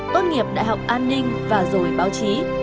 tốt nghiệp đại học an ninh và rồi báo chí